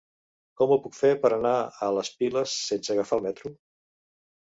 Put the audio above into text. Com ho puc fer per anar a les Piles sense agafar el metro?